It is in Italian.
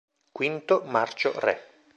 Quinto Marcio Re